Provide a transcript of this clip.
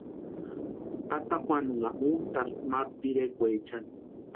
Tata Juanunha úantaspti maru pirekwaechani.